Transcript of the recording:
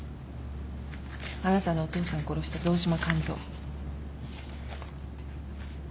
あなたのお父さん殺した堂島完三。